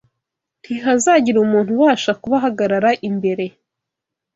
Ntihazagira umuntu ubasha kubahagarara imbere